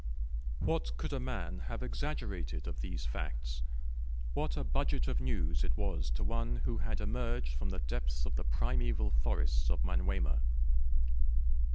What could a man have exaggerated of these facts? What a budget of news it was to one who had emerged from the depths of the primeval forests of Manyuema!